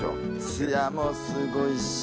ツヤもすごいし。